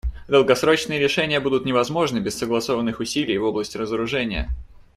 Долгосрочные решения будут невозможны без согласованных усилий в области разоружения.